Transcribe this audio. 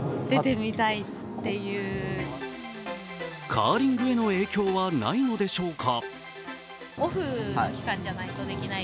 カーリングへの影響はないのでしょうか。